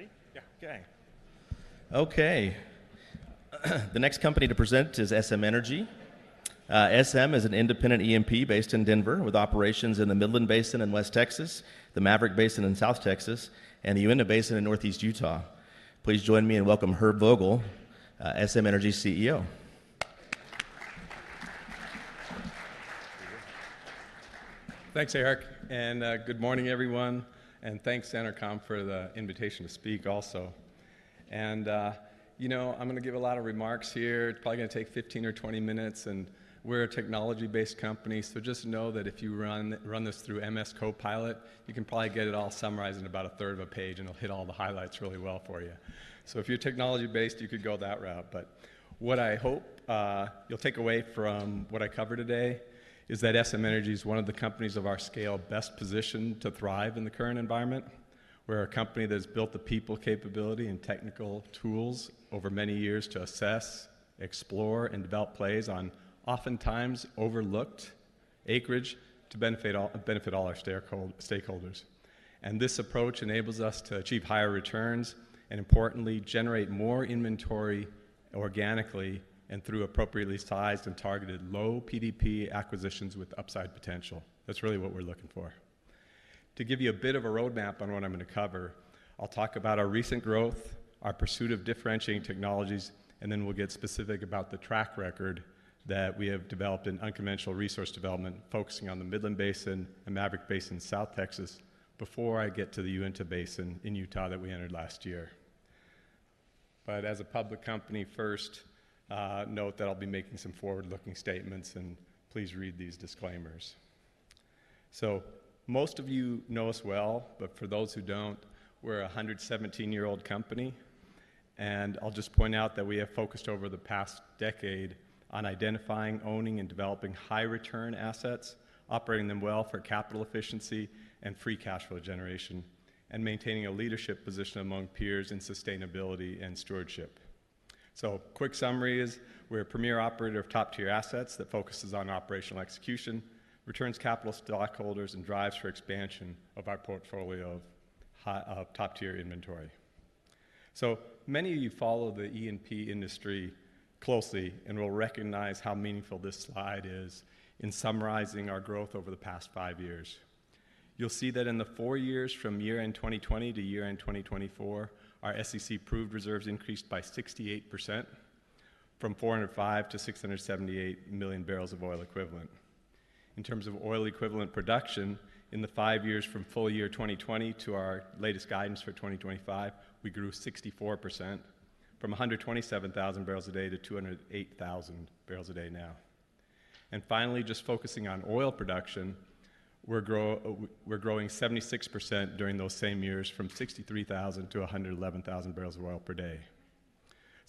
All right, you ready to present? Okay. The next company to present is SM Energy. SM Energy Company is an independent E&P based in Denver with operations in the Midland Basin in West Texas, the Maverick Basin in South Texas, and the Uinta Basin in Northeast Utah. Please join me in welcoming Herb Vogel, SM Energy Company's CEO. Thanks, Eric. Good morning, everyone. Thanks, CenterComm, for the invitation to speak also. I'm going to give a lot of remarks here. It's probably going to take 15-20 minutes. We're a technology-based company, so just know that if you run this through MS Copilot, you can probably get it all summarized in about a third of a page, and it'll hit all the highlights really well for you. If you're technology-based, you could go that route. What I hope you'll take away from what I cover today is that SM Energy is one of the companies of our scale best positioned to thrive in the current environment. We're a company that's built the people capability and technical tools over many years to assess, explore, and develop plays on oftentimes overlooked acreage to benefit all our stakeholders. This approach enables us to achieve higher returns and, importantly, generate more inventory organically and through appropriately sized and targeted low-PDP acquisitions with upside potential. That's really what we're looking for. To give you a bit of a roadmap on what I'm going to cover, I'll talk about our recent growth, our pursuit of differentiating technologies, and then we'll get specific about the track record that we have developed in unconventional resource development, focusing on the Midland Basin and Maverick Basin in South Texas before I get to the Uinta Basin in Utah that we entered last year. As a public company, first, note that I'll be making some forward-looking statements, and please read these disclaimers. Most of you know us well, but for those who don't, we're a 117-year-old company. I'll just point out that we have focused over the past decade on identifying, owning, and developing high-return assets, operating them well for capital efficiency and free cash flow generation, and maintaining a leadership position among peers in sustainability and stewardship. A quick summary is we're a premier operator of top-tier assets that focuses on operational execution, returns capital to stockholders, and drives for expansion of our portfolio of top-tier inventory. Many of you follow the E&P industry closely and will recognize how meaningful this slide is in summarizing our growth over the past five years. You'll see that in the four years from year end 2020-year end 2024, our SEC-approved reserves increased by 68% from 405 million bbl-678 million bbl of oil equivalent. In terms of oil equivalent production, in the five years from full year 2020 to our latest guidance for 2025, we grew 64% from 127,000 bbl a day to 208,000 bbl a day now. Finally, just focusing on oil production, we're growing 76% during those same years from 63,000-111,000 bbl of oil per day.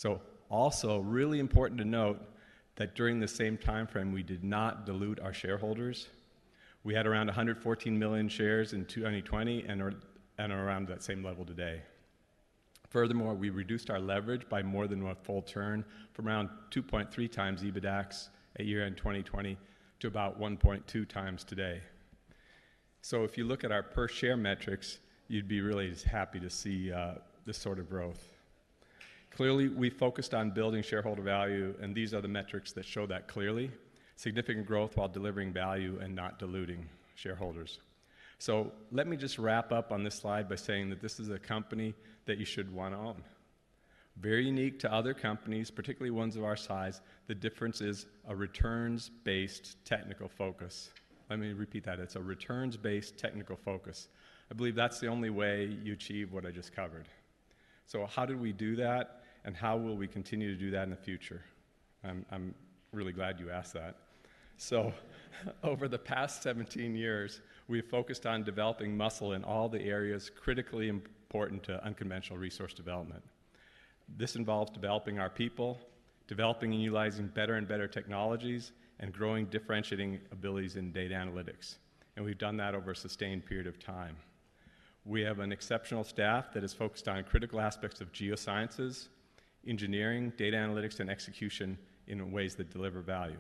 It is also really important to note that during the same time frame, we did not dilute our shareholders. We had around 114 million shares in 2020 and are around that same level today. Furthermore, we reduced our leverage by more than a full turn from around 2.3x EBITDA at year end 2020 to about 1.2x today. If you look at our per-share metrics, you'd be really happy to see this sort of growth. Clearly, we focused on building shareholder value, and these are the metrics that show that clearly: significant growth while delivering value and not diluting shareholders. Let me just wrap up on this slide by saying that this is a company that you should want to own. Very unique to other companies, particularly ones of our size, the difference is a returns-based technical focus. Let me repeat that. It's a returns-based technical focus. I believe that's the only way you achieve what I just covered. How did we do that, and how will we continue to do that in the future? I'm really glad you asked that. Over the past 17 years, we've focused on developing muscle in all the areas critically important to unconventional resource development. This involves developing our people, developing and utilizing better and better technologies, and growing differentiating abilities in data analytics. We've done that over a sustained period of time. We have an exceptional staff that is focused on critical aspects of geosciences, engineering, data analytics, and execution in ways that deliver value.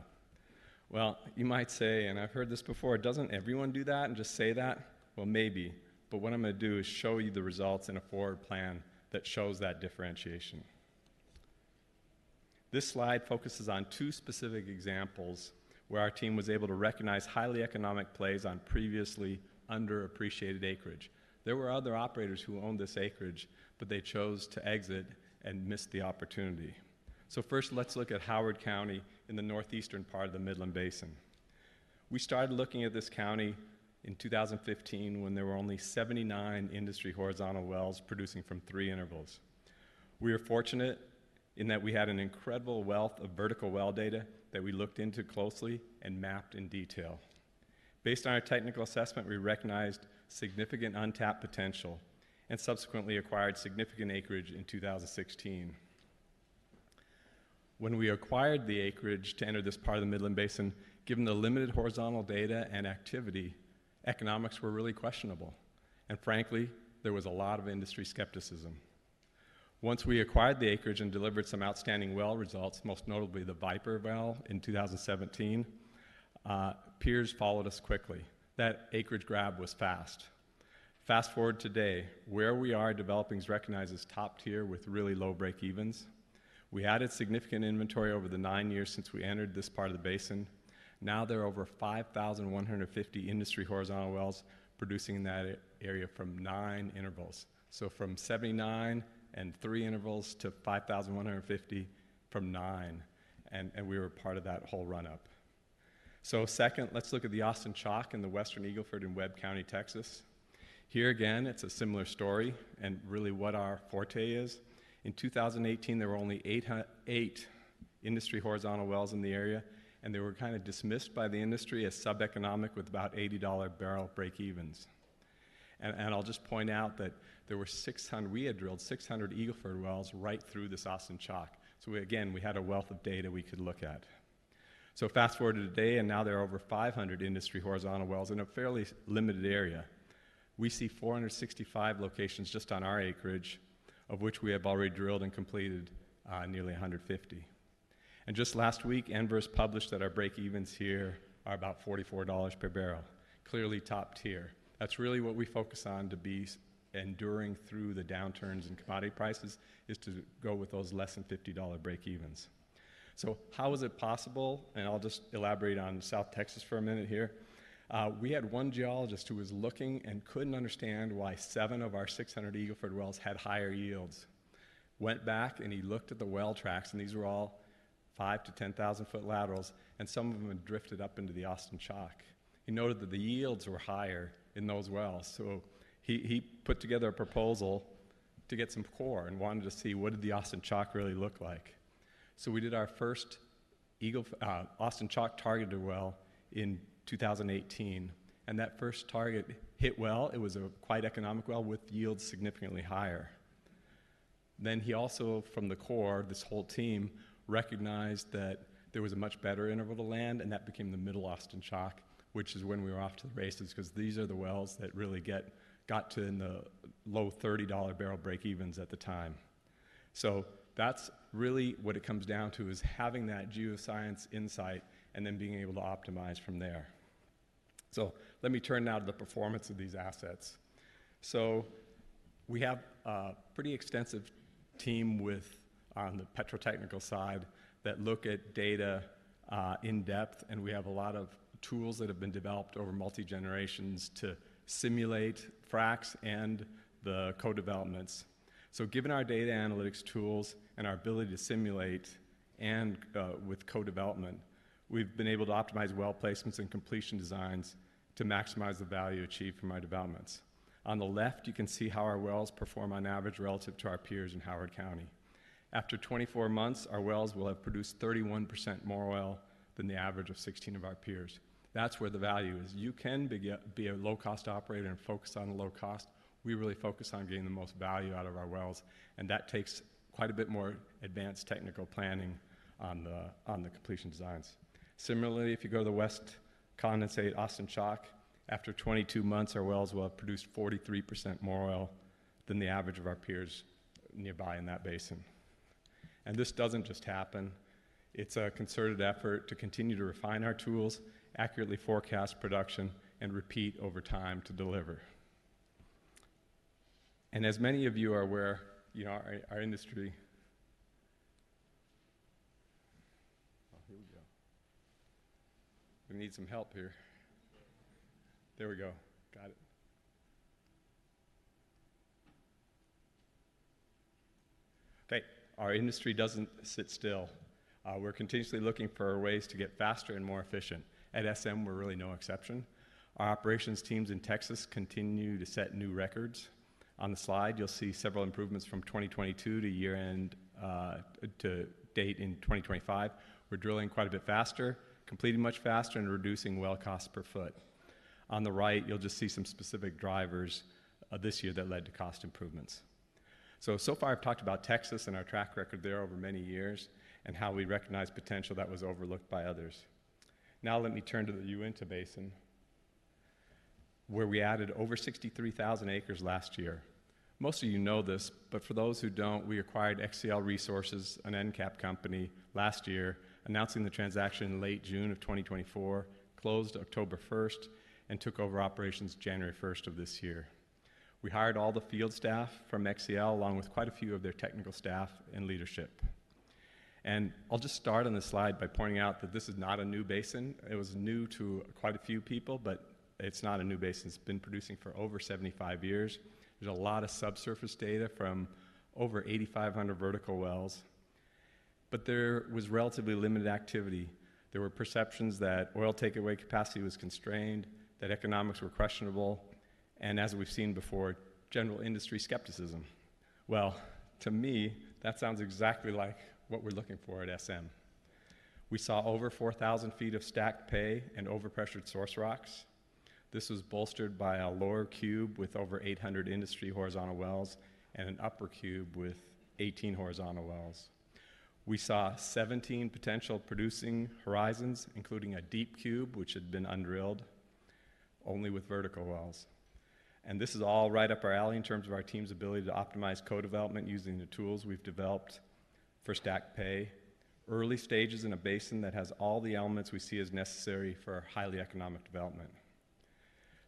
You might say, and I've heard this before, doesn't everyone do that and just say that? Maybe. What I'm going to do is show you the results in a forward plan that shows that differentiation. This slide focuses on two specific examples where our team was able to recognize highly economic plays on previously underappreciated acreage. There were other operators who owned this acreage, but they chose to exit and missed the opportunity. First, let's look at Howard County in the northeastern part of the Midland Basin. We started looking at this county in 2015 when there were only 79 industry horizontal wells producing from three intervals. We were fortunate in that we had an incredible wealth of vertical well data that we looked into closely and mapped in detail. Based on our technical assessment, we recognized significant untapped potential and subsequently acquired significant acreage in 2016. When we acquired the acreage to enter this part of the Midland Basin, given the limited horizontal data and activity, economics were really questionable. Frankly, there was a lot of industry skepticism. Once we acquired the acreage and delivered some outstanding well results, most notably the Viper well in 2017, peers followed us quickly. That acreage grab was fast. Fast forward to today, where we are, developing is recognized as top tier with really low breakevens. We added significant inventory over the nine years since we entered this part of the basin. Now there are over 5,150 industry horizontal wells producing in that area from nine intervals. From 79 and three intervals to 5,150 from nine. We were part of that whole run-up. Second, let's look at the Austin Chalk in the Western Eagle Ford in Webb County, Texas. Here again, it's a similar story and really what our forte is. In 2018, there were only eight industry horizontal wells in the area, and they were kind of dismissed by the industry as sub-economic with about $80 per bbl breakevens. I'll just point out that we had drilled 600 Eagle Ford wells right through this Austin Chalk. Again, we had a wealth of data we could look at. Fast forward to today, and now there are over 500 industry horizontal wells in a fairly limited area. We see 465 locations just on our acreage, of which we have already drilled and completed nearly 150. Just last week, Enverus published that our breakevens here are about $44 per bbl. Clearly top tier. That's really what we focus on to be enduring through the downturns in commodity prices is to go with those less than $50 breakevens. How is it possible? I'll just elaborate on South Texas for a minute here. We had one geologist who was looking and couldn't understand why seven of our 600 Eagle Ford wells had higher yields. He went back and looked at the well tracks, and these were all 5,000-10,000-foot laterals, and some of them had drifted up into the Austin Chalk. He noted that the yields were higher in those wells. He put together a proposal to get some core and wanted to see what did the Austin Chalk really look like. We did our first Austin Chalk targeted well in 2018, and that first target hit well. It was a quite economic well with yields significantly higher. Then, also from the core, this whole team recognized that there was a much better interval to land, and that became the middle Austin Chalk, which is when we were off to the races because these are the wells that really got to in the low $30 per barrel breakevens at the time. That's really what it comes down to, having that geoscience insight and then being able to optimize from there. Let me turn now to the performance of these assets. We have a pretty extensive team on the petro-technical side that look at data in depth, and we have a lot of tools that have been developed over multi-generations to simulate fracks and the co-developments. Given our data analytics tools and our ability to simulate and with co-development, we've been able to optimize well placements and completion designs to maximize the value achieved from our developments. On the left, you can see how our wells perform on average relative to our peers in Howard County. After 24 months, our wells will have produced 31% more well than the average of 16 of our peers. That's where the value is. You can be a low-cost operator and focus on low cost. We really focus on getting the most value out of our wells, and that takes quite a bit more advanced technical planning on the completion designs. Similarly, if you go to the West Condensate Austin Chalk, after 22 months, our wells will have produced 43% more well than the average of our peers nearby in that basin. This doesn't just happen. It's a concerted effort to continue to refine our tools, accurately forecast production, and repeat over time to deliver. As many of you are aware, you know our industry. Our industry doesn't sit still. We're continuously looking for ways to get faster and more efficient. At SM, we're really no exception. Our operations teams in Texas continue to set new records. On the slide, you'll see several improvements from 2022 to year-end to date in 2025. We're drilling quite a bit faster, completing much faster, and reducing well cost per foot. On the right, you'll just see some specific drivers this year that led to cost improvements. So far, I've talked about Texas and our track record there over many years and how we recognize potential that was overlooked by others. Now let me turn to the Uinta Basin where we added over 63,000 acres last year. Most of you know this, but for those who don't, we acquired XCL Resources, an NCAP company, last year, announcing the transaction in late June of 2024, closed October 1st, and took over operations January 1 of this year. We hired all the field staff from XCL, along with quite a few of their technical staff and leadership. I'll just start on this slide by pointing out that this is not a new basin. It was new to quite a few people, but it's not a new basin. It's been producing for over 75 years. There's a lot of subsurface data from over 8,500 vertical wells. There was relatively limited activity. There were perceptions that oil takeaway capacity was constrained, that economics were questionable, and as we've seen before, general industry skepticism. To me, that sounds exactly like what we're looking for at SM Energy Company. We saw over 4,000 ft of stacked pay and overpressured source rocks. This was bolstered by a lower cube with over 800 industry horizontal wells and an upper cube with 18 horizontal wells. We saw 17 potential producing horizons, including a deep cube, which had been undrilled only with vertical wells. This is all right up our alley in terms of our team's ability to optimize co-development using the tools we've developed for stacked pay, early stages in a basin that has all the elements we see as necessary for highly economic development.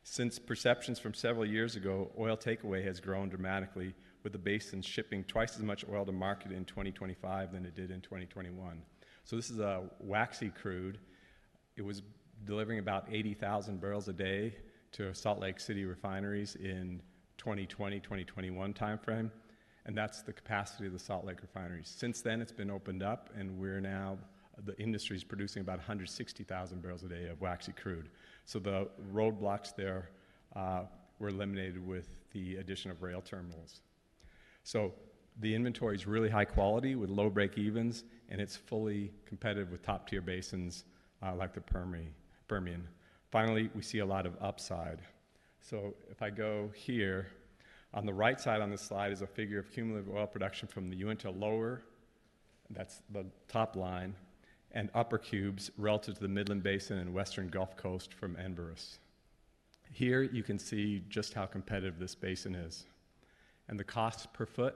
Since perceptions from several years ago, oil takeaway has grown dramatically, with the basin shipping twice as much oil to market in 2025 than it did in 2021. This is a waxy crude. It was delivering about 80,000 bbl a day to Salt Lake City refineries in the 2020, 2021 timeframe. That's the capacity of the Salt Lake refineries. Since then, it's been opened up, and the industry is producing about 160,000 bbl a day of waxy crude. The roadblocks there were eliminated with the addition of rail terminals. The inventory is really high quality with low breakevens, and it's fully competitive with top-tier basins like the Permian. Finally, we see a lot of upside. If I go here, on the right side on the slide is a figure of cumulative oil production from the Uinta Lower, and that's the top line, and upper cubes relative to the Midland Basin and Western Gulf Coast from Enverus. Here you can see just how competitive this basin is. The costs per foot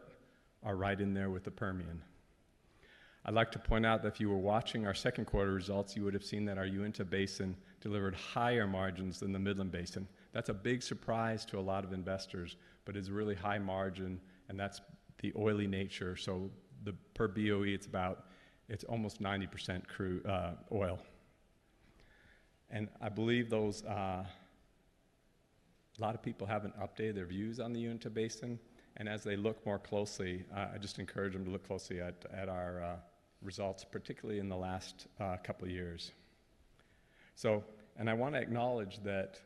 are right in there with the Permian. I'd like to point out that if you were watching our second quarter results, you would have seen that our Uinta Basin delivered higher margins than the Midland Basin. That's a big surprise to a lot of investors, but it's really high margin, and that's the oily nature. So per BOE, it's about almost 90% oil. I believe a lot of people haven't updated their views on the Uinta Basin. As they look more closely, I just encourage them to look closely at our results, particularly in the last couple of years. I want to acknowledge that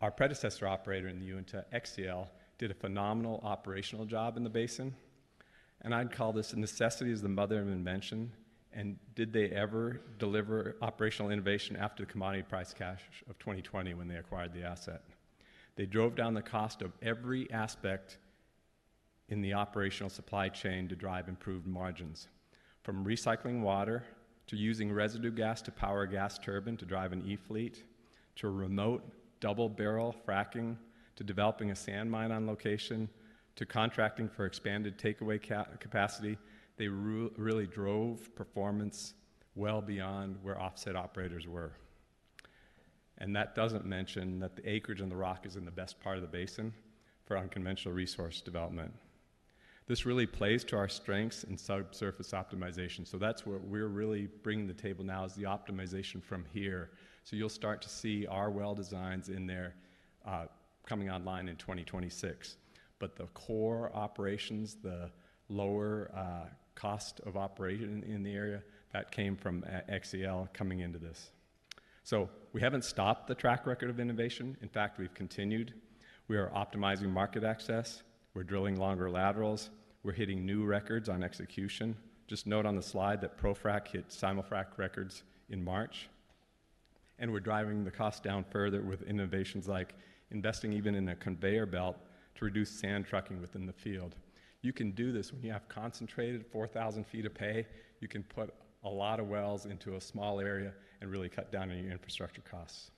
our predecessor operator in the Uinta, XCL Resources, did a phenomenal operational job in the basin. I'd call this a necessity as the mother of invention. Did they ever deliver operational innovation after the commodity price crash of 2020 when they acquired the asset? They drove down the cost of every aspect in the operational supply chain to drive improved margins. From recycling water to using residue gas to power a gas turbine to drive an e-fleet, to remote double barrel fracking, to developing a sand mine on location, to contracting for expanded takeaway capacity, they really drove performance well beyond where offset operators were. That doesn't mention that the acreage in the rock is in the best part of the basin for unconventional resource development. This really plays to our strengths and subsurface optimization. That's what we're really bringing to the table now, the optimization from here. You'll start to see our well designs in there coming online in 2026. The core operations, the lower cost of operation in the area, that came from XCL Resources coming into this. We haven't stopped the track record of innovation. In fact, we've continued. We are optimizing market access. We're drilling longer laterals. We're hitting new records on execution. Just note on the slide that ProFrac hit simul-frac records in March. We're driving the cost down further with innovations like investing even in a conveyor belt to reduce sand trucking within the field. You can do this when you have concentrated 4,000 ft of pay. You can put a lot of wells into a small area and really cut down on your infrastructure costs.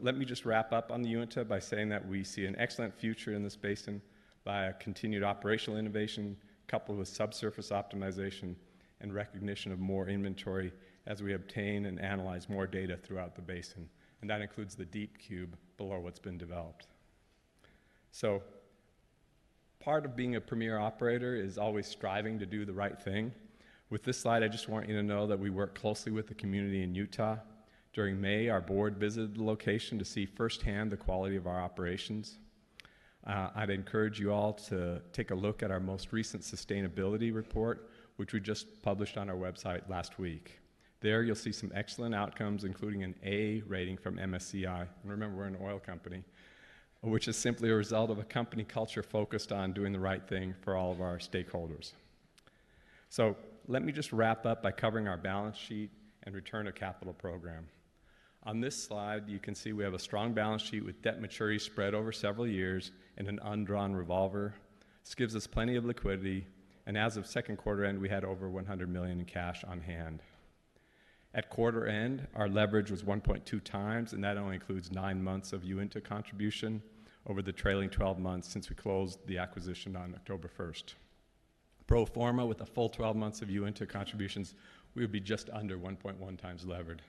Let me just wrap up on the Uinta by saying that we see an excellent future in this basin by continued operational innovation coupled with subsurface optimization and recognition of more inventory as we obtain and analyze more data throughout the basin. That includes the deep cube below what's been developed. Part of being a premier operator is always striving to do the right thing. With this slide, I just want you to know that we work closely with the community in Utah. During May, our board visited the location to see firsthand the quality of our operations. I'd encourage you all to take a look at our most recent sustainability report, which we just published on our website last week. There, you'll see some excellent outcomes, including an A rating from MSCI. Remember, we're an oil company, which is simply a result of a company culture focused on doing the right thing for all of our stakeholders. Let me just wrap up by covering our balance sheet and return to capital program. On this slide, you can see we have a strong balance sheet with debt maturity spread over several years and an undrawn revolver. This gives us plenty of liquidity. As of second quarter end, we had over $100 million in cash on hand. At quarter end, our leverage was 1.2x, and that only includes nine months of Uinta contribution over the trailing 12 months since we closed the acquisition on October 1, 2023. Pro forma, with a full 12 months of Uinta contributions, we would be just under 1.1x levered.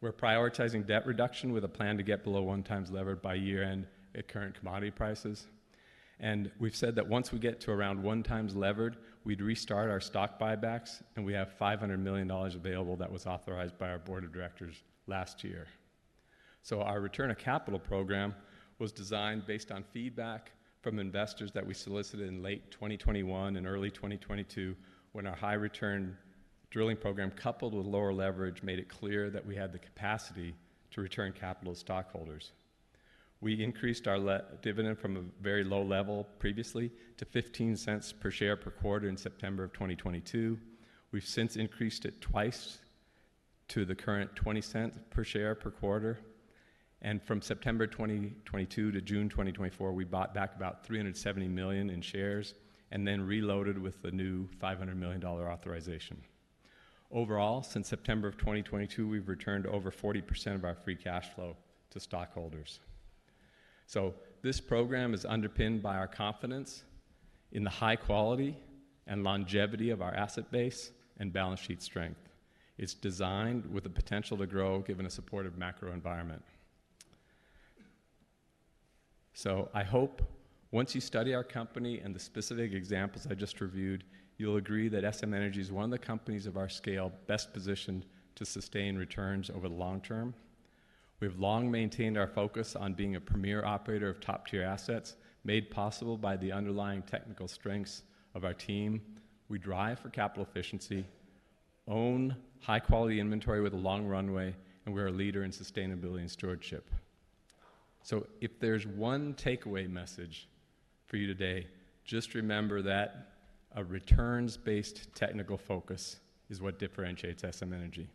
We're prioritizing debt reduction with a plan to get below 1x levered by year-end at current commodity prices. We've said that once we get to around 1x levered, we'd restart our stock buybacks, and we have $500 million available that was authorized by our board of directors last year. Our return to capital program was designed based on feedback from investors that we solicited in late 2021 and early 2022 when our high return drilling program coupled with lower leverage made it clear that we had the capacity to return capital to stockholders. We increased our dividend from a very low level previously to $0.15 per share per quarter in September 2022. We've since increased it twice to the current $0.20 per share per quarter. From September 2022-June 2024, we bought back about $370 million in shares and then reloaded with a new $500 million authorization. Overall, since September 2022, we've returned over 40% of our free cash flow to stockholders. This program is underpinned by our confidence in the high quality and longevity of our asset base and balance sheet strength. It's designed with the potential to grow given a supportive macro environment. I hope once you study our company and the specific examples I just reviewed, you'll agree that SM Energy is one of the companies of our scale best positioned to sustain returns over the long term. We've long maintained our focus on being a premier operator of top-tier assets made possible by the underlying technical strengths of our team. We drive for capital efficiency, own high-quality inventory with a long runway, and we're a leader in sustainability and stewardship. If there's one takeaway message for you today, just remember that a returns-based technical focus is what differentiates SM Energy.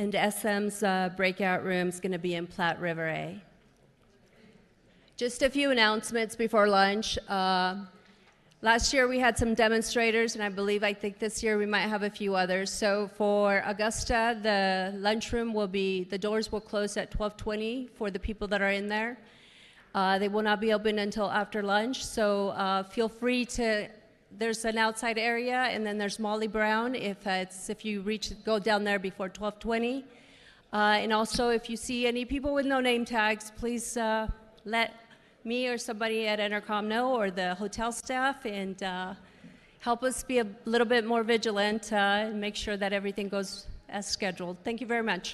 Thank you. SM's breakout room is going to be in Platte River A. Just a few announcements before lunch. Last year, we had some demonstrators, and I believe this year we might have a few others. For Augusta, the lunchroom doors will close at 12:20 P.M.. for the people that are in there. They will not be open until after lunch. Feel free to use the outside area, and then there's Molly Brown if you go down there before 12:20 P.M.. If you see any people with no name tags, please let me or somebody at CenterComm know or the hotel staff and help us be a little bit more vigilant and make sure that everything goes as scheduled. Thank you very much.